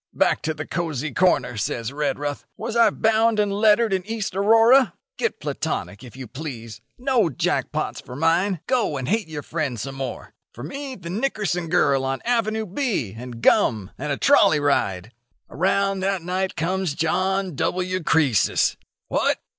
'Back to the cosy corner!' says Redruth. 'Was I bound and lettered in East Aurora? Get platonic, if you please. No jack pots for mine. Go and hate your friend some more. For me the Nickerson girl on Avenue B, and gum, and a trolley ride.' "Around that night comes John W. Croesus. 'What!